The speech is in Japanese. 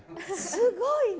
すごいね。